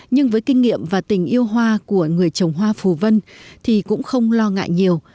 nhưng với kinh nghiệm và tình yêu hoa của người trồng hoa phù vân thì cũng không lo ngại nhiều